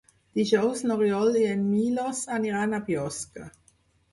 Dijous n'Oriol i en Milos aniran a Biosca.